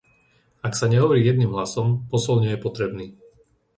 Ak sa nehovorí jedným hlasom, posol nie je potrebný.